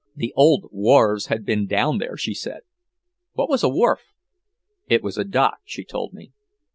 The old "wharves" had been down there, she said. What was a "wharf?" It was a "dock," she told me.